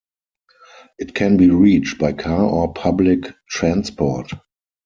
It can be reached by car or public transport.